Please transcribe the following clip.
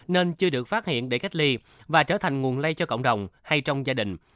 nên chưa được phát hiện để cách ly và trở thành nguồn lây cho cộng đồng hay trong gia đình